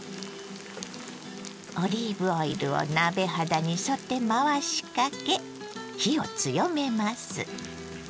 オリーブオイルを鍋肌に沿って回しかけ火を強めます。